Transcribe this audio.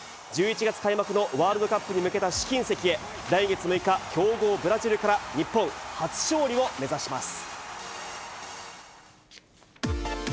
１１月開幕のワールドカップに向けた試金石へ、来月６日、強豪ブラジルから日本、初勝利を目指します。